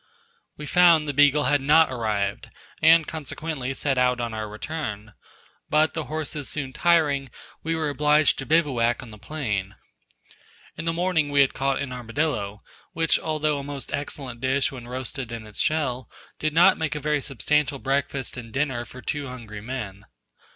We found the Beagle had not arrived, and consequently set out on our return, but the horses soon tiring, we were obliged to bivouac on the plain. In the morning we had caught an armadillo, which although a most excellent dish when roasted in its shell, did not make a very substantial breakfast and dinner for two hungry men.